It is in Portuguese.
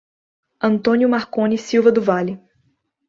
Antônio Marcone Silva do Vale